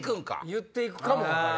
言って行くかもね。